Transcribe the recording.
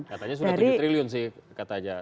katanya sudah tujuh triliun sih kata aja